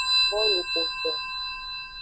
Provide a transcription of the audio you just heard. Boluxoto.